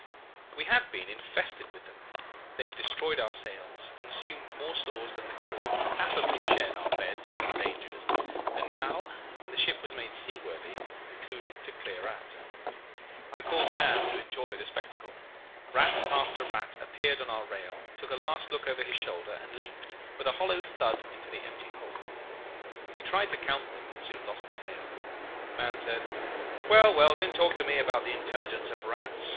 "We had been infested with them. They had destroyed our sails, consumed more stores than the crew, affably shared our beds and our dangers, and now, when the ship was made seaworthy, concluded to clear out. I called Mahon to enjoy the spectacle. Rat after rat appeared on our rail, took a last look over his shoulder, and leaped with a hollow thud into the empty hulk. We tried to count them, but soon lost the tale. Mahon said: 'Well, well! don't talk to me about the intelligence of rats.